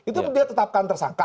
itu dia tetapkan tersangka